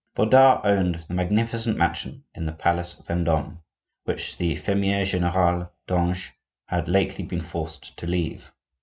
Bodard owned the magnificent mansion in the place Vendome, which the fermier general, Dange, had lately been forced to leave.